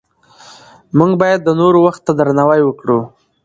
موږ باید د نورو وخت ته درناوی وکړو